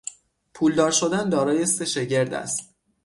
پولدار شدن دارای سه شگرد است.